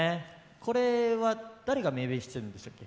これは誰が命名してるんだっけ？